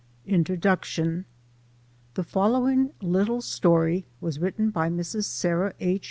rnTBODUOTKXST. THE following little story was written by Mrs. Sarah H.